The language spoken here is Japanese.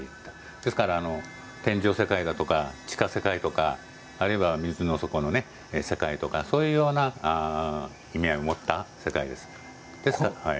ですから、天上世界だとか地下世界だとかあるいは水の底の世界とかそういうような意味合いを持った世界です。